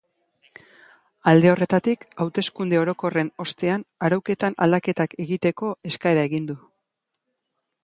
Alde horretatik, hauteskunde orokorren ostean arauketan aldaketak egiteko eskaera egin du.